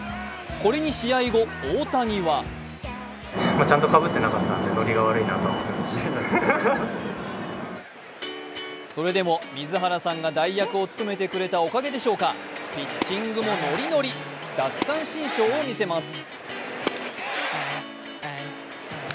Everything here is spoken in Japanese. これに試合後、大谷はそれでも水原さんが代役を務めてくれたおかげでしょうかピッチングもノリノリ奪三振ショーを見せます。